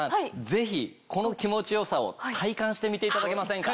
ぜひこの気持ち良さを体感してみていただけませんか？